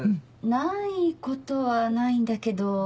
ないことはないんだけど。